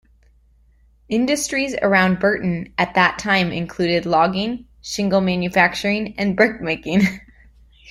Industries around Burton at that time included logging, shingle manufacturing and brickmaking.